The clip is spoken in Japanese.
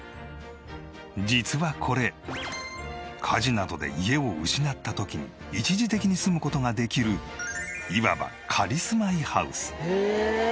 実はこれ火事などで家を失った時に一時的に住む事ができるいわば仮住まいハウス。